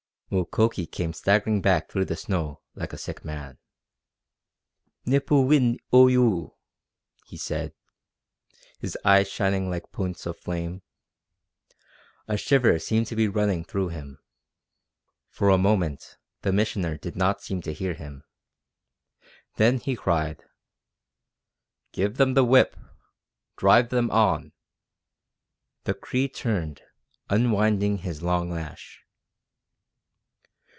Mukoki came staggering back through the snow like a sick man. "Nipoo win Ooyoo!" he said, his eyes shining like points of flame. A shiver seemed to be running through him. For a moment the Missioner did not seem to hear him. Then he cried: "Give them the whip! Drive them on!" The Cree turned, unwinding his long lash.